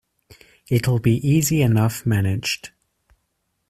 It’ll be easy enough managed.